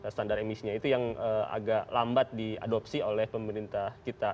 standar emisinya itu yang agak lambat diadopsi oleh pemerintah kita